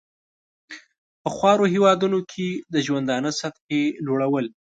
په خوارو هېوادونو کې د ژوندانه سطحې لوړول.